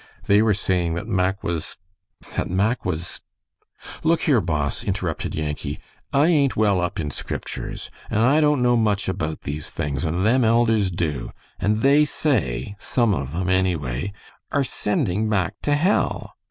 "They were saying that Mack was that Mack was " "Look here, boss," interrupted Yankee, "I ain't well up in Scriptures, and don't know much about these things, and them elders do, and they say some of them, anyway are sending Mack to hell.